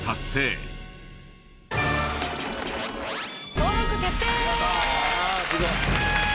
登録決定！